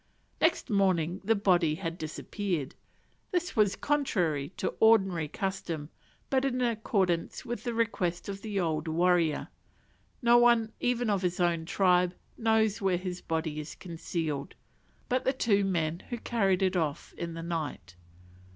Next morning the body had disappeared. This was contrary to ordinary custom, but in accordance with the request of the old warrior. No one, even of his own tribe, knows where his body is concealed, but the two men who carried it off in the night.